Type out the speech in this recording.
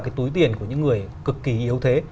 cái túi tiền của những người cực kỳ yếu thế